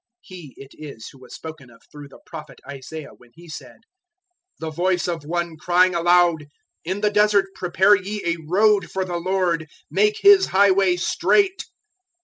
003:003 He it is who was spoken of through the Prophet Isaiah when he said, "The voice of one crying aloud, `In the desert prepare ye a road for the Lord: make His highway straight.'"